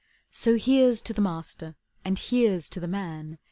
So here's to the master, And here's to the man!